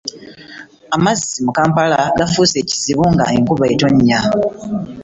Amazzi mu Kampala gafuuse ekizibu ng'enkuba etonnya.